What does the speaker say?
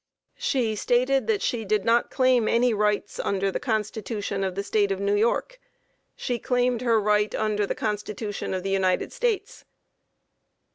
A. She stated that she did not claim any rights under the constitution of the State of New York; she claimed her right under the constitution of the United States.